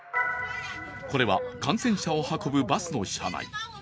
これは感染者を運ぶバスの車内。